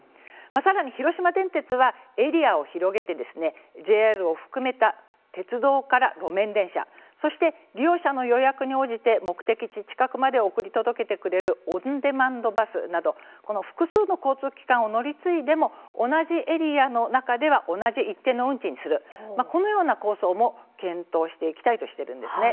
さらに広島電鉄はエリアを広げてＪＲを含めた鉄道から路面電車そして利用者の予約に応じて目的地近くまで送り届けてくれるオンデマンドバスなど複数の交通機関を乗り継いでも同じエリアの中では同じ一定の運賃にするこのような構想も検討していきたいとしているんです。